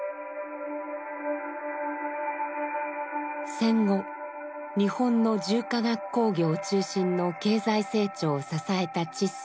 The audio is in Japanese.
戦後日本の重化学工業中心の経済成長を支えたチッソ。